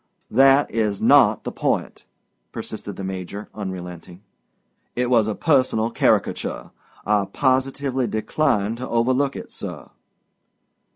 "That is not the point," persisted the Major, unrelenting. "It was a personal caricature. I positively decline to overlook it, sir."